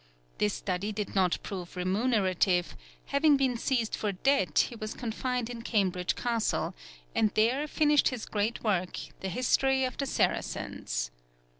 This study did not prove remunerative; having been seized for debt, he was confined in Cambridge Castle, and there finished his great work, The History of the Saracens.